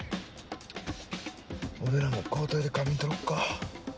俺らも交代で仮眠取ろっか。